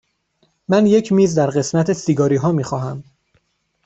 من یک میز در قسمت سیگاری ها می خواهم.